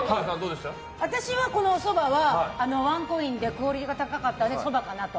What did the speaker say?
私はこのそばはワンコインでクオリティーが高かったのでそばかなと。